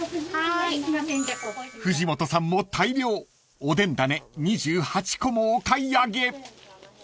［藤本さんも大量おでん種２８個もお買い上げ］